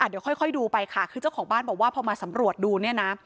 เดี๋ยวค่อยดูไปค่ะคือเจ้าของบ้านบอกว่าพอมาสำรวจดูเนี่ยนะ